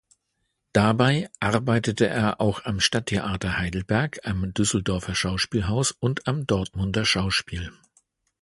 Dabei arbeitete er auch am Stadttheater Heidelberg, am Düsseldorfer Schauspielhaus und am Dortmunder Schauspiel.